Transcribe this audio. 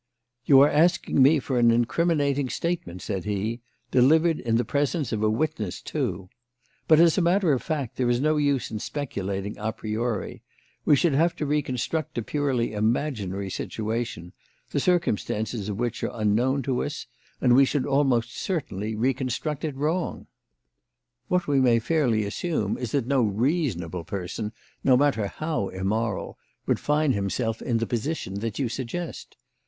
"You are asking me for an incriminating statement," said he, "delivered in the presence of a witness too. But, as a matter of fact, there is no use in speculating a priori; we should have to reconstruct a purely imaginary situation, the circumstances of which are unknown to us, and we should almost certainly reconstruct it wrong. What we may fairly assume is that no reasonable person, no matter how immoral, would find himself in the position that you suggest.